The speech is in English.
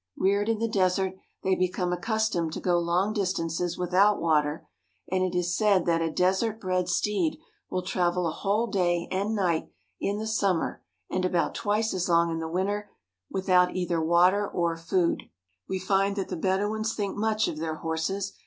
Reared in the desert, they become accustomed to go long distances without water, and it is said that a desert bred steed will travel a whole day and night in the summer and about twice as long in the winter without either water or food. We find that the Bedouins think much of their horses.